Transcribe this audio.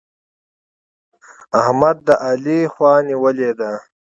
احمد د علي خوا نيولې ده.